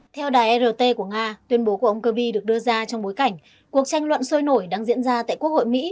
theo đài rt của nga tuyên bố của ông kirby được đưa ra trong bối cảnh cuộc tranh luận sôi nổi đang diễn ra tại quốc hội mỹ